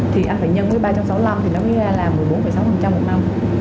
thì anh phải nhân với ba trăm sáu mươi năm thì nó mới là một mươi bốn sáu một năm